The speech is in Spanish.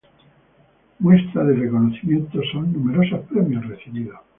Muestra del reconocimiento son numerosos premios recibidos.